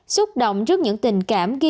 súc động trước những tình cảm ghiền